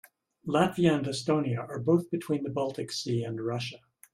Latvia and Estonia are both between the Baltic Sea and Russia.